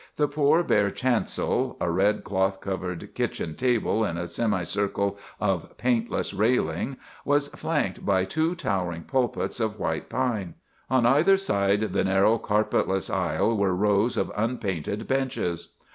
The poor, bare chancel—a red cloth covered kitchen table in a semicircle of paintless railing—was flanked by two towering pulpits of white pine. On either side the narrow, carpetless aisle were rows of unpainted benches.